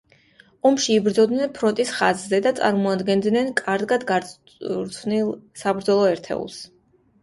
ომში იბრძოდნენ ფრონტის ხაზზე და წარმოადგენდნენ კარგად გაწვრთნილ საბრძოლო ერთეულს.